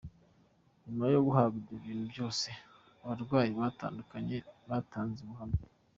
Nyuma yo guhabwa ibyo bintu byose abarwayi batandukanye batanze ubuhamya.